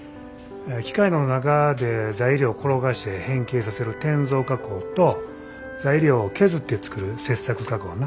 機械の中で材料を転がして変形させる転造加工と材料を削って作る切削加工な。